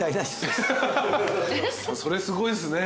それすごいっすね。